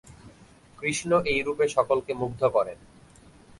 কৃষ্ণ এই রূপে সকলকে মুগ্ধ করেন।